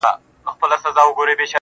هغه چي له سندرو له ښکلاوو جوړ دی~